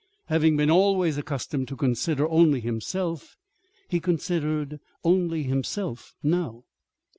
Having been always accustomed to consider only himself, he considered only himself now.